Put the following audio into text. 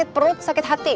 perut sakit hati